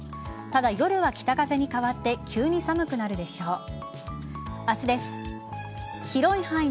ただ、夜は北風に変わって急に寒くなるでしょう。